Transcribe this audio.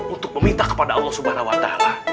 untuk meminta kepada allah subhanahu wa ta'ala